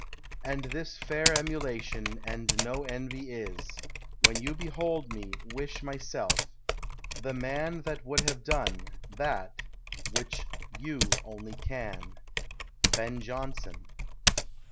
And this Faire aemulation, and no envy is; When you behold me wish myselfe, the man That would have done, that, which you only can! BEN JONSON.